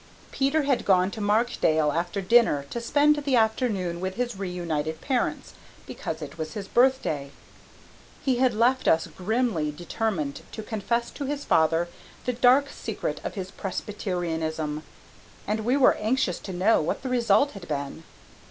Peter had gone to Markdale after dinner to spend the afternoon with his reunited parents because it was his birthday. He had left us grimly determined to confess to his father the dark secret of his Presbyterianism, and we were anxious to know what the result had been.